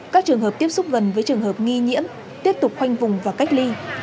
các trường hợp tiếp xúc gần với trường hợp nghi nhiễm tiếp tục khoanh vùng và cách ly